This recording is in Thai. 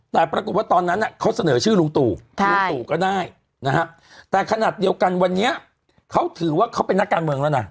แต่ปรากฏว่าตอนนั้นเขาเสนอชื่อลุงตู่ลุงตู่ก็ได้นะฮะแต่ขนาดเดียวกันวันนี้เขาถือว่าเขาเป็นนักการเมืองแล้วนะ